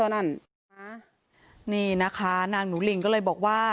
นี่นะคะนางหนูลิงก็เลยบอกว่า